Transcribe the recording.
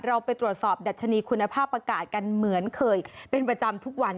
เราไปตรวจสอบดัชนีคุณภาพอากาศกันเหมือนเคยเป็นประจำทุกวัน